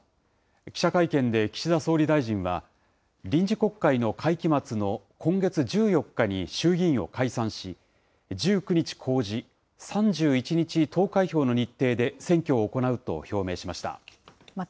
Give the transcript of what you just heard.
記者会見で岸田総理大臣は、臨時国会の会期末の今月１４日に衆議院を解散し、１９日公示、３１日投開票の日程で選挙を行うと表明しました。